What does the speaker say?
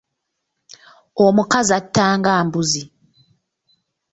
Omukazi atanga mbuzi.